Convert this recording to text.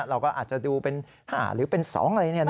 เราก็อาจจะดูเป็น๕หรือเป็น๒อะไรเนี่ยนะฮะ